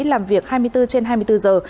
làm việc hai mươi bốn trên hai mươi bốn giờ